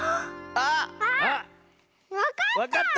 あっわかった！